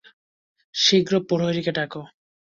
শীঘ্র প্রহরীকে ডাকো।